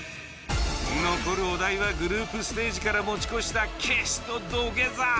残るお題はグループステージから持ち越したキスと土下座。